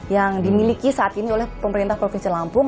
yang dimiliki saat ini oleh pemerintah provinsi lampung